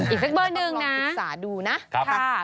อีกแป็กเบอร์หนึ่งนะ